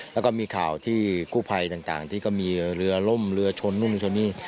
แล้วก็มีข่าวที่กู้ภัยต่างที่ก็มีเรือล่มเรือชนนู่นชนนี่